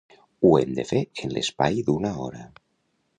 Ho hem de fer en l'espai d'una hora.